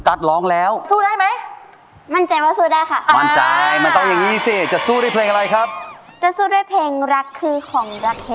คะแนนพิเศษและ๑คะแนน